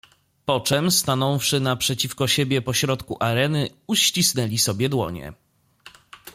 "Poczem, stanąwszy naprzeciwko siebie po środku areny, uścisnęli sobie dłonie."